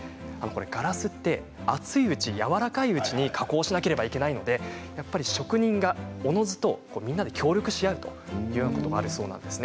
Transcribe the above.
ガラスって熱いうちにやわらかいうちに加工しなければいけないので職人がおのずとみんなで協力し合うということがあるそうです。